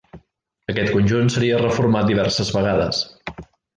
Aquest conjunt seria reformat diverses vegades.